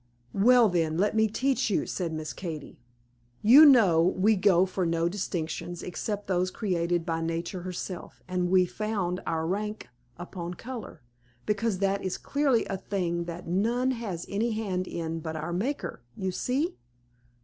"Well, then, let me teach you," said Miss Katy. "You know we go for no distinctions except those created by Nature herself, and we found our rank upon color, because that is clearly a thing that none has any hand in but our Maker. You see?"